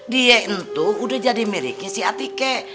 dia itu udah jadi miliknya si atikke